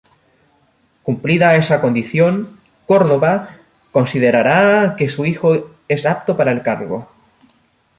Cumplida esa condición, Córdoba considerará que su hijo es apto para el cargo.